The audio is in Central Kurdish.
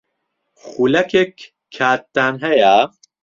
خولەکێک کاتتان ھەیە؟